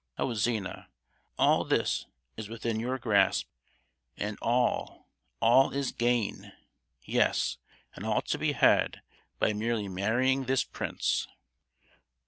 Oh, Zina, all this is within your grasp, and all—all is gain. Yes, and all to be had by merely marrying this prince."